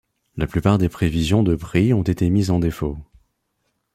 La plupart des prévisions de prix ont été mises en défaut.